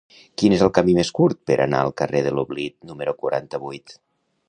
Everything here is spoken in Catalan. Quin és el camí més curt per anar al carrer de l'Oblit número quaranta-vuit?